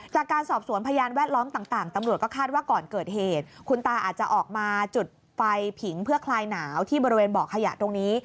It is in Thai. จากการสอบสวนพยานแวดล้อมต่างตำรวจก็คาดว่าก่อนเกิดเหตุคุณตาอาจจะออกมาจุดไฟผิงเพื่อคลายหนาวที่บริเวณเบาะขยะตรงนี้